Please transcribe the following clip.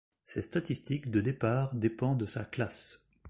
Ses statistiques de départ dépend de sa classe.